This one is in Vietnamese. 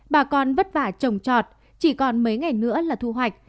bà con vất vả trồng trọt chỉ còn mấy ngày nữa là thu hoạch